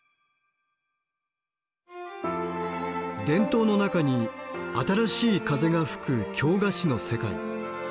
伝統の中に新しい風が吹く京菓子の世界。